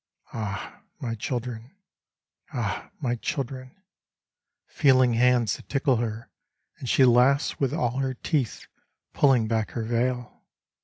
Ah I my children I Ah I my children 1 feeling hands that tickle her And she laughs with all her teeth, pulling back her veil.